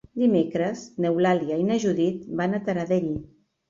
Dimecres n'Eulàlia i na Judit van a Taradell.